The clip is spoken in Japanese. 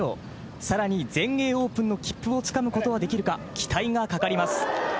さらに全英オープンの切符をつかむことはできるか、期待がかかります。